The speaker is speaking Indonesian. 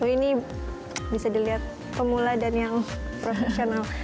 ini bisa dilihat pemula dan yang profesional